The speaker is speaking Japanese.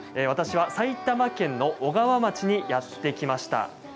私は埼玉県の小川町にやって来ました。